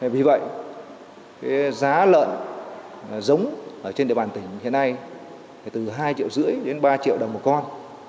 vì vậy giá lợn giống trên địa bàn tỉnh hiện nay từ hai triệu rưỡi đến ba triệu đồng một con